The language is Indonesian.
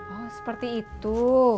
oh seperti itu